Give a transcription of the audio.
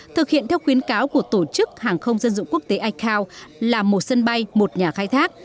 thực hiện theo khuyến cáo của tổ chức hàng không dân dụng quốc tế icao là một sân bay một nhà khai thác